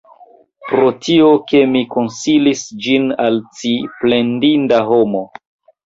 Pro tio, ke mi konsilis ĝin al ci, plendinda homo!